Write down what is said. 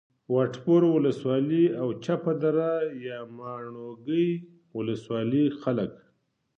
وټپور ولسوالي او چپه دره یا ماڼوګي ولسوالۍ خلک